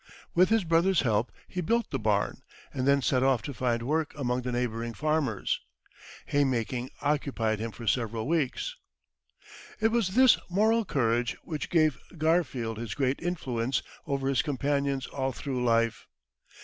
With his brother's help, he built the barn, and then set off to find work among the neighbouring farmers. Haymaking occupied him for several weeks, then a [Transcriber's note: pages 81 and 82 missing.] It was this moral courage which gave Garfield his great influence over his companions all through life.